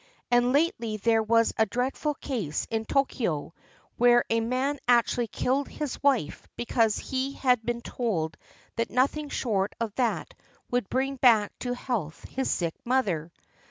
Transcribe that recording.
And lately there was a dreadful case in Tokyo, where a man actually killed his wife because he had been told that nothing short of that would bring back to health his sick mother.